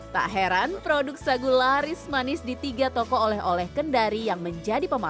tak heran produk sagu laris manis di tiga toko oleh oleh kendari yang menjadi pemandangan